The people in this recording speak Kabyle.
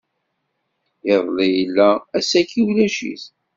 Iḍelli yella, ass-agi ulac-it!